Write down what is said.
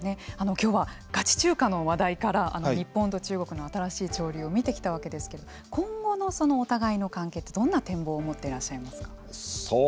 今日はガチ中華の話題から日本と中国の新しい潮流を見てきたわけですけれども今後のお互いの関係ってどんな展望を持っていらっしゃいますか。